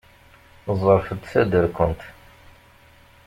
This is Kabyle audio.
Ẓerfed taderkunt!